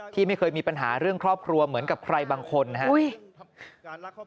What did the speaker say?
ที่ไม่เคยมีปัญหาเรื่องครอบครัวเหมือนกับใครบางคนนะครับ